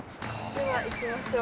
では行きましょう。